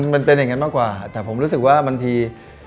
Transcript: มันเป็นอย่างนั้นมากกว่าแต่ผมรู้สึกว่าบางที